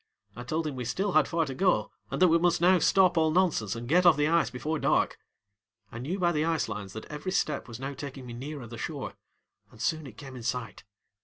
I told him we still had far to go and that we must now stop all nonsense and get off the ice before dark. I knew by the ice lines that every step was now taking me nearer the shore and soon it came in sight.